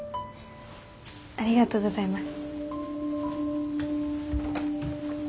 ありがとうございます。